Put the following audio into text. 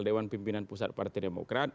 dewan pimpinan pusat partai demokrat